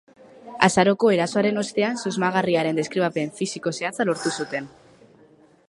Azaroko erasoaren ostean susmagarriaren deskribapen fisiko zehatza lortu zuten.